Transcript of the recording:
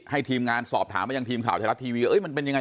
ทีมงานสอบถามมายังทีมข่าวไทยรัฐทีวีมันเป็นยังไง